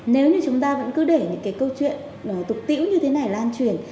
nếu như chúng ta vẫn cứ để những cái câu chuyện tục tiễu như thế này lan truyền